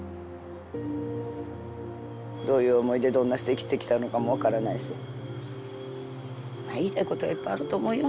どういう思いでどんなして生きてきたのかも分からないし言いたいことはいっぱいあると思うよ。